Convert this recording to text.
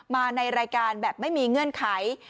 มาในรายการแบบไม่มีเงื่อนไข